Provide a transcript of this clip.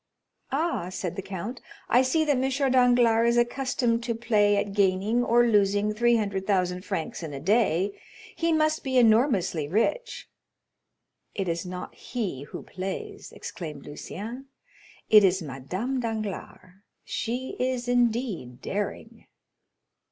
"Ah," said the count, "I see that M. Danglars is accustomed to play at gaining or losing 300,000 francs in a day; he must be enormously rich." "It is not he who plays!" exclaimed Lucien; "it is Madame Danglars; she is indeed daring."